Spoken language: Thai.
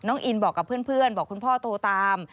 อินบอกกับเพื่อนบอกคุณพ่อโทรตาม